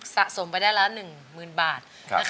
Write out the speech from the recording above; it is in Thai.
สะสมไปได้ละ๑หมื่นบาท